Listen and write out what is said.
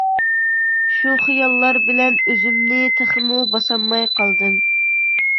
شۇ خىياللار بىلەن ئۆزۈمنى تېخىمۇ باسالماي قالدىم.